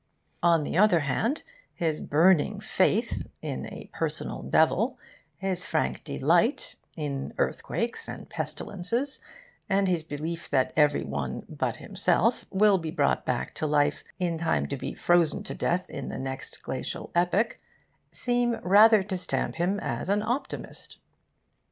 On the other hand, his burning faith in a personal Devil, his frank delight in earthquakes and pestilences, and his belief that every one but himself will be brought back to life in time to be frozen to death in the next glacial epoch, seem rather to stamp him as an optimist.